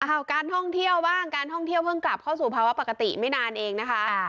เอาการท่องเที่ยวบ้างการท่องเที่ยวเพิ่งกลับเข้าสู่ภาวะปกติไม่นานเองนะคะ